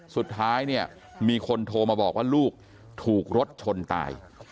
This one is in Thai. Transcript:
สุดท้ายเนี่ยมีคนโทรมาบอกว่าลูกถูกรถชนตาย